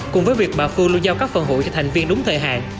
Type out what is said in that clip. cùng với việc bà phương luôn giao các phần hụi cho thành viên đúng thời hạn